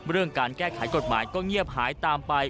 เรื่องการแก้ไขกฎหมายก็เงียบหายตามไป